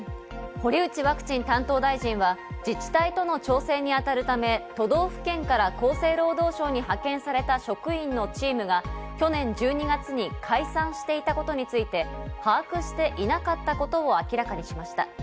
堀内ワクチン担当大臣は自治体との調整に当たるため、都道府県から厚生労働省に派遣された職員のチームが去年１２月に解散していたことについて把握していなかったことを明らかにしました。